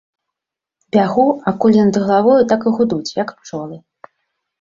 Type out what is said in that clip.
Бягу, а кулі над галавою так і гудуць, як пчолы.